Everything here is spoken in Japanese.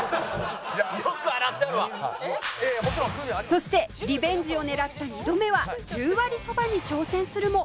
そしてリベンジを狙った２度目は十割そばに挑戦するも